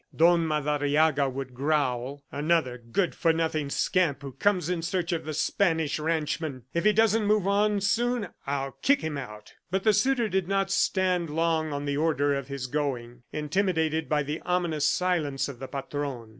Don Madariaga would growl "Another good for nothing scamp who comes in search of the Spanish ranchman! If he doesn't move on soon ... I'll kick him out!" But the suitor did not stand long on the order of his going, intimidated by the ominous silence of the Patron.